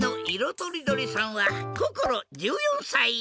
とりどりさんはこころ１４さい。